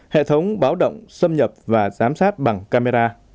hệ thống báo động xâm nhập và giám sát bằng camera